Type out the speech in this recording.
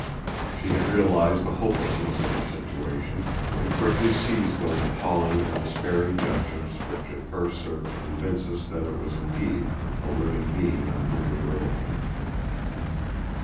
She had realized the hopelessness of her situation, and quickly ceased those appalling and despairing gestures, which at first served to convince us that it was indeed a living being on whom we were looking.